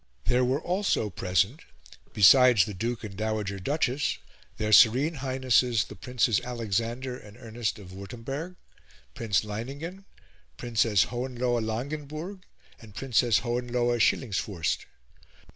There were also present, besides the Duke and the Dowager Duchess, their Serene Highnesses the Princes Alexander and Ernest of Wurtemberg, Prince Leiningen, Princess Hohenlohe Langenburg, and Princess Hohenlohe Schillingsfurst. Dr.